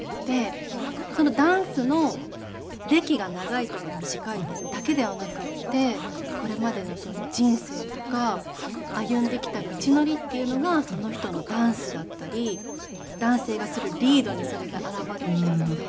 そのダンスの歴が長いとか短いだけではなくてこれまでの人生とか歩んできた道のりっていうのがその人のダンスだったり男性がするリードにそれが表れていて。